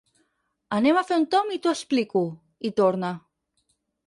Anem a fer un tomb i t'ho explico —hi torna.